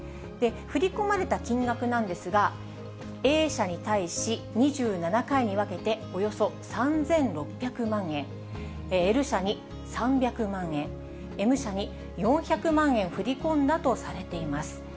振り込まれた金額なんですが、Ａ社に対し２７回に分けておよそ３６００万円、Ｌ社に３００万円、Ｍ社に４００万円振り込んだとされています。